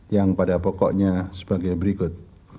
yang pada pokoknya sebagai berikut